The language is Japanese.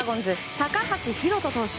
高橋宏斗投手。